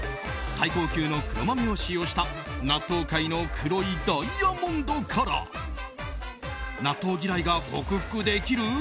最高級の黒豆を使用した納豆界の黒いダイヤモンドから納豆嫌いが克服できる？